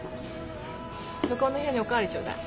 向こうの部屋にお代わりちょうだい。